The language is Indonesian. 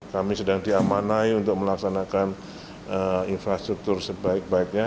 kami sedang diamanai untuk melaksanakan infrastruktur sebaik baiknya